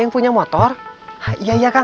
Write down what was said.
tapi pegang ramadan